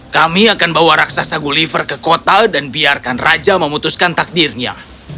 kami akan bawa raksasa gulliver ke kota dan biarkan raja memutuskan takdirnya